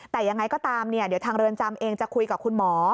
แต่ยังไงก็ตามเดี๋ยวทางเรือนจำเองจะคุยกับคุณหมอ